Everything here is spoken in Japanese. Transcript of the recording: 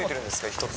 １つ。